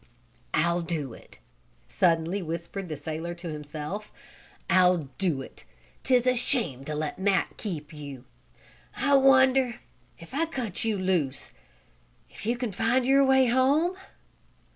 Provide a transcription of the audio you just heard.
"I'll do it!" suddenly whispered the sailor to himself. "I'll do it! 'Tis a shame to let Matt keep you. I wonder, if I cut you loose, if you can find your way home?